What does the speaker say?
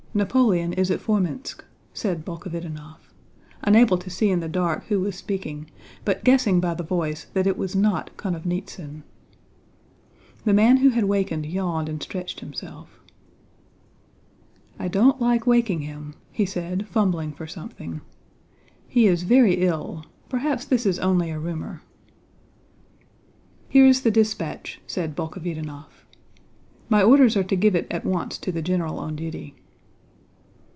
Napoleon is at Formínsk," said Bolkhovítinov, unable to see in the dark who was speaking but guessing by the voice that it was not Konovnítsyn. The man who had wakened yawned and stretched himself. "I don't like waking him," he said, fumbling for something. "He is very ill. Perhaps this is only a rumor." "Here is the dispatch," said Bolkhovítinov. "My orders are to give it at once to the general on duty."